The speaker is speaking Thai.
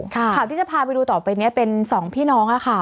ข่าวที่จะพาไปดูต่อไปนี้เป็นสองพี่น้องค่ะ